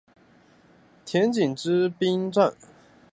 田井之滨站的临时铁路车站。